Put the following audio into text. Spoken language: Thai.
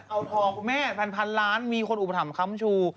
เอาทองคุณแม่พันล้านมีคนอุปถัมภัมชู